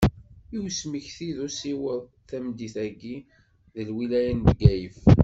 I usmekti d usiweḍ, tameddit-agi deg lwilaya n Bgayet.